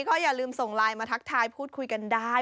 ก็อย่าลืมส่งไลน์มาทักทายพูดคุยกันได้